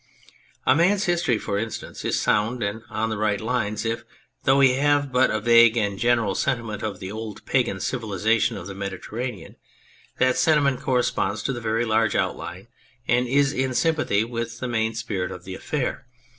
A man's history, for instance, is sound and on the right lines if, though he have but a vague and general sentiment of the old pagan civilisation of the Mediterranean, that sentiment corresponds to the very large outline and is in sympathy with the main spirit of the affair.